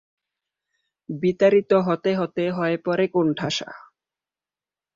বিতাড়িত হতে হতে হয়ে পড়ে কোণঠাসা।